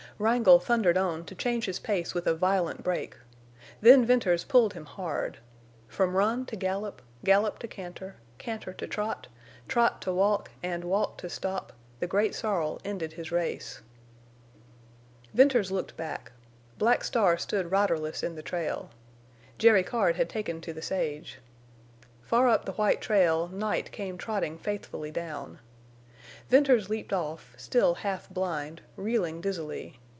Wrangle thundered on to change his pace with a violent break. Then Venters pulled him hard. From run to gallop, gallop to canter, canter to trot, trot to walk, and walk to stop, the great sorrel ended his race. Venters looked back. Black Star stood riderless in the trail. Jerry Card had taken to the sage. Far up the white trail Night came trotting faithfully down. Venters leaped off, still half blind, reeling dizzily.